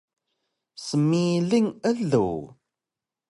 Smiling elug